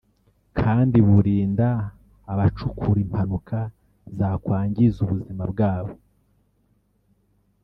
kandi burinda abacukura impanuka zakwangiza ubuzima bwabo